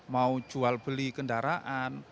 mau jual beli kendaraan